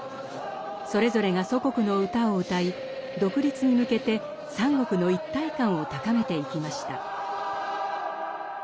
それぞれが祖国の歌を歌い独立に向けて三国の一体感を高めていきました。